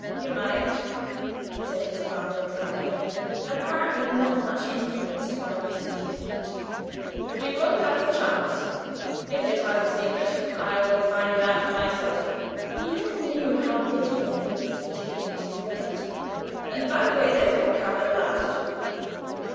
"You might," said his father drily, apparently not much influenced by this inducement, "but you won't have the chance. If it has a secret, I will find it out for myself" (he little knew how literally he was to be taken at his word), "and, by the way, there's your cab at last."